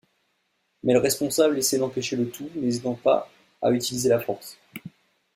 Mais le responsable essaie d'empêcher le tout, n'hésitant pas à utiliser la force.